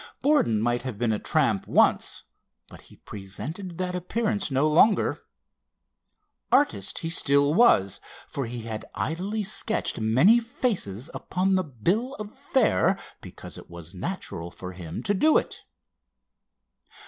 Borden might have been a tramp once, but he presented that appearance no longer. Artist he still was, for he had idly sketched many faces upon the bill of fare because it was natural for him to do it.